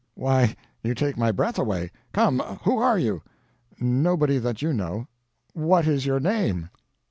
Why, you take my breath away. Come, who are you?" "Nobody that you know." "What is your name?"